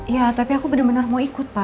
ya tapi aku bener bener mau ikut pa